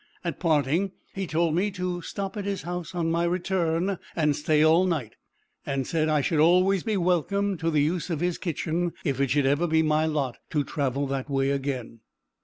At parting, he told me to stop at his house on my return and stay all night; and said, I should always be welcome to the use of his kitchen, if it should ever be my lot to travel that way again.